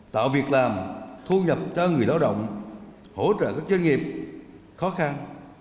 tạo việc làm thu nhập cho người lao động hỗ trợ các doanh nghiệp khó khăn